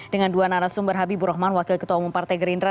dengan dua narasumber habibur rahman wakil ketua umum partai gerindra